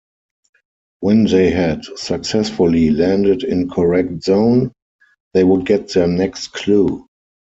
When they had successfully landed in correct zone, they would get their next clue.